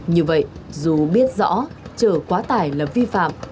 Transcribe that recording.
như vậy dù biết rõ chở quá tải là vi phạm